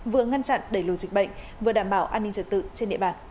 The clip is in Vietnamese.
vừa ngăn chặn đẩy lùi dịch bệnh vừa đảm bảo an ninh trật tự trên địa bàn